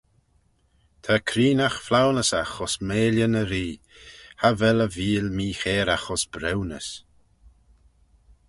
Ta creenaght flaunyssagh ayns meillyn y ree: cha vel e veeal mee-chairagh ayns briwnys.